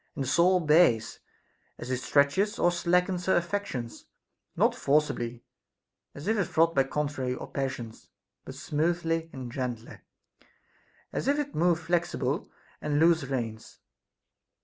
And the soul obeys, as it stretches or slackens her affections, not forcibly, as if it wrought by contrary passions, but smoothly and gently, as if it moved flexible and loose reins.